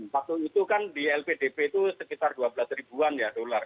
waktu itu kan di lpdp itu sekitar dua belas ribuan ya dolar